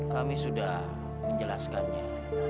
kami sudah menjelaskannya